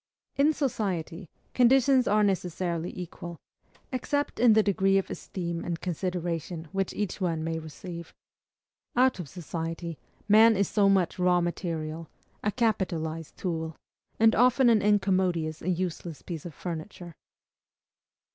In society, conditions are necessarily equal, except in the degree of esteem and consideration which each one may receive. Out of society, man is so much raw material, a capitalized tool, and often an incommodious and useless piece of furniture.